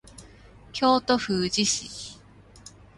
京都府宇治市